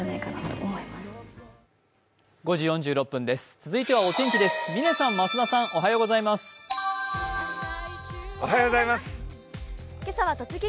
続いてはお天気です。